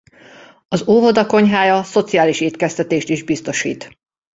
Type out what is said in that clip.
Az óvoda konyhája szociális étkeztetést is biztosít.